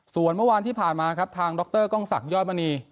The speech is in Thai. ส่วนเมื่อวานที่ผ่านมาครับทางดรกล้องศักดิยอดมณี